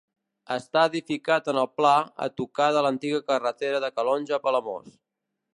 Està edificat en el Pla, a tocar de l'antiga carretera de Calonge a Palamós.